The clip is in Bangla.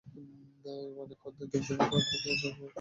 মানে খদ্দের দেখতে পেত তার অর্ডার দেওয়া খাবার কীভাবে রান্না করছি।